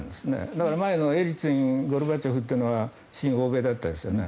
だから前のエリツィンゴルバチョフは親欧米でしたよね。